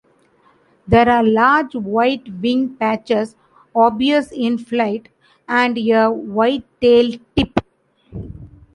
There are large white wing patches obvious in flight, and a white tail tip.